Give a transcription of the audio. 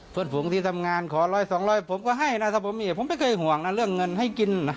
เพื่อนผมที่ทำงานขอร้อยสองร้อยผมก็ให้นะถ้าผมเนี่ยผมไม่เคยห่วงนะเรื่องเงินให้กินนะ